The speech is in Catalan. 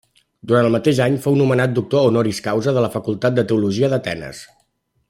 Durant el mateix any fou nomenat Doctor Honoris Causa de la Facultat de Teologia d'Atenes.